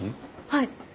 はい。